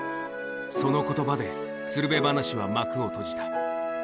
そのことばで鶴瓶噺は幕を閉じた。